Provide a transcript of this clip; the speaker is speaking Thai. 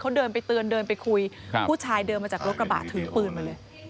เขาเดินไปเตือนเดินไปคุยผู้ชายเดินมาจากรถกระบะถือปืนมาเลย